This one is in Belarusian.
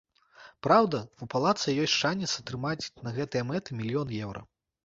Праўда, у палаца ёсць шанец атрымаць на гэтыя мэты мільён еўра.